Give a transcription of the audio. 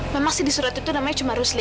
memang sih di surat itu namanya cuma rusli